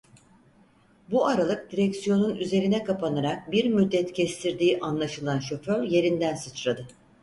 Bu aralık direksiyonun üzerine kapanarak bir müddet kestirdiği anlaşılan şoför yerinden sıçradı.